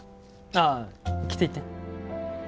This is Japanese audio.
ああ着ていって。